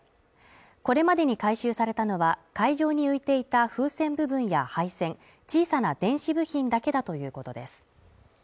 これまでに回収されたのは海上に浮いていた風船部分や配線小さな電子部品だけだということです